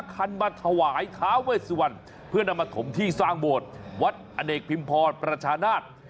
คันมาถวายท้าเวสวันเพื่อนำมาถมที่สร้างโบสถ์วัดอเนกพิมพรประชานาศ